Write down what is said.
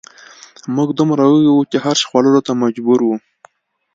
موږ دومره وږي وو چې هر شي خوړلو ته مجبور وو